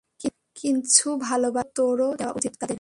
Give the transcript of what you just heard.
কিছু ভালোবাসা তো তোর ও দেয়া উচিত তাদের।